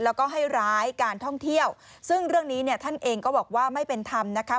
แล้วก็ให้ร้ายการท่องเที่ยวซึ่งเรื่องนี้เนี่ยท่านเองก็บอกว่าไม่เป็นธรรมนะคะ